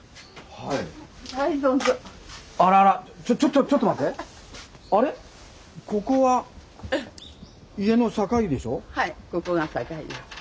はいここが境です。